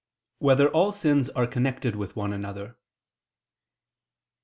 1] Whether All Sins Are Connected with One Another?